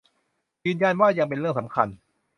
ยืนยันว่ายังเป็นเรื่องสำคัญ